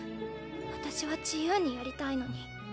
私は自由にやりたいのに。